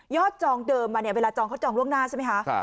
จองเดิมมาเนี่ยเวลาจองเขาจองล่วงหน้าใช่ไหมคะ